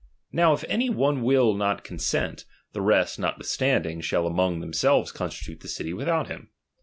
Now, if any one will not consent, the rest, notwithstanding, shall among themselves constitute the city without him.